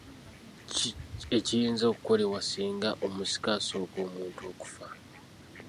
Ki ekiyinza okukolebwa singa omusika asooka omuntu okufa?